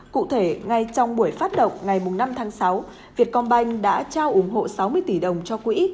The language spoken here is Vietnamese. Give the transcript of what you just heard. cụ thể ngay trong buổi phát động ngày năm tháng sáu việt công banh đã trao ủng hộ sáu mươi tỷ đồng cho quỹ